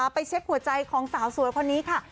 ไปเช็คหัวใจของสาวสวยคนนี้ค่ะ